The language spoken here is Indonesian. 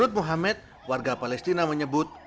menurut muhammad warga palestina menyebut